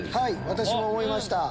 私も思いました。